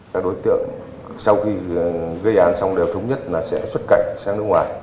các đối tượng sau khi gây án xong đều thống nhất là sẽ xuất cảnh sang nước ngoài